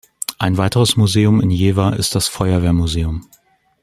Ein weiteres Museum in Jever ist das "Feuerwehrmuseum".